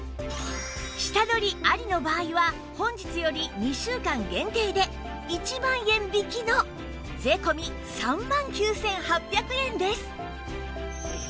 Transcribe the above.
下取りありの場合は本日より２週間限定で１万円引きの税込３万９８００円です